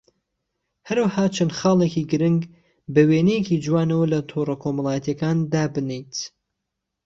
هەروەها چەند خاڵێکی گرنگ بە وێنەیەکی جوانەوە لە تۆڕە کۆمەڵایەتییەکان دابنێیت